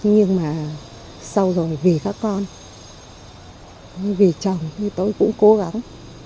nhưng mà sau rồi vì các con vì chồng như tôi cũng cố gắng